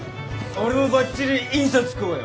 俺もばっちり印刷工よ。